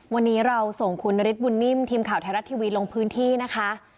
วันนี้เราส่งคุณนฤทธบุญนิ่มทีมข่าวไทยรัฐทีวีลงพื้นที่นะคะ